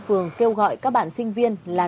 phường kêu gọi các bạn sinh viên là